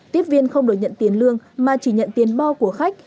tiếp viên không đổi nhận tiền lương mà chỉ nhận tiền bo của khách